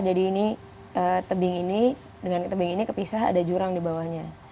jadi ini tebing ini dengan tebing ini kepisah ada jurang di bawahnya